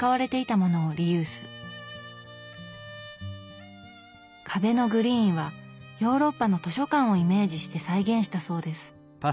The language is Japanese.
壁のグリーンはヨーロッパの図書館をイメージして再現したそうです。